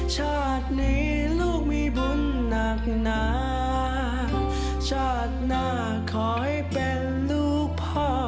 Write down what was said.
ชาตินี้ลูกมีบุญหนักหนาชาติหน้าขอให้เป็นลูกพ่อ